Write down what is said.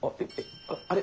あれ？